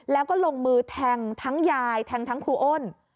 แล้วก็ลงมือแทงทั้งยายแทงทั้งครูอ้น